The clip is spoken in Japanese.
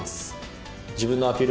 自分のアピール